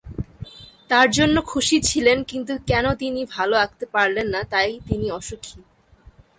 তার জন্য খুশি ছিলেন কিন্তু কেন তিনি ভাল আঁকতে পারলেন না তাই তিনি অসুখী।